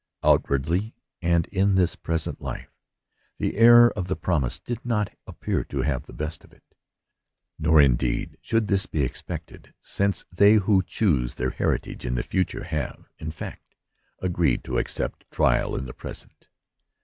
Outwardly, and in this present life, the heir of the promise did not appear to have the best of it. Nor, indeed, should this be expected, since they who choose their heritage in the future have, in fact, agreed to accept trial in the present.